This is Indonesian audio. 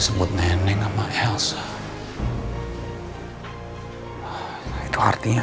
kamu bisa denger saya